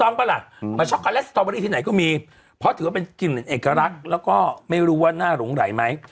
ปะล่ะมาช็อกโกแลตสตอเบอรี่ที่ไหนก็มีเพราะถือว่าเป็นกลิ่นเอกลักษณ์แล้วก็ไม่รู้ว่าหน้าหลงไหลไหม